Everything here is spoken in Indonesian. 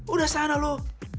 udah sana lu